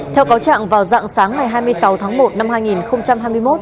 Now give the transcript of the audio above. theo cáo trạng vào dạng sáng ngày hai mươi sáu tháng một năm hai nghìn hai mươi một